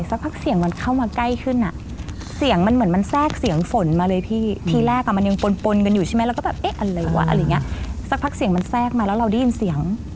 สักพักเสียงมันแทรกมาแล้วเราได้ยินเสียง